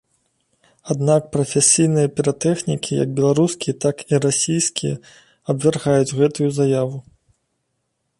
Аднак прафесійныя піратэхнікі як беларускія, так і расійскія абвяргаюць гэтую заяву.